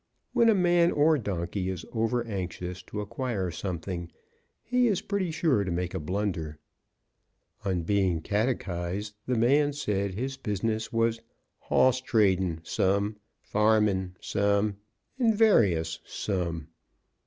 When a man or donkey is over anxious to acquire something, he is pretty sure to make a blunder. On being catechised, the man said his business was "hoss tradin' some, farmin' some, and various some."